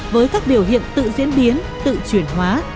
với các biểu hiện tự diễn biến tự chuyển hóa